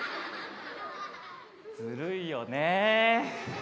ずるいよね。